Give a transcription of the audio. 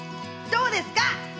どうですか？